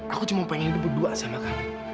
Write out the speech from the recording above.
aku cuma pengen duduk berdua sama kamu